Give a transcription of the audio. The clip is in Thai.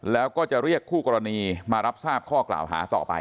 แล้วก็จะเรียกคู่กรณีมารับทราบข้อกล่าวหาต่อไป